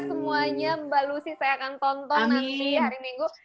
semuanya mbak lucy saya akan tonton nanti hari minggu